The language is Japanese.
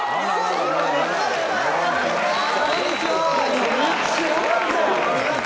こんにちは。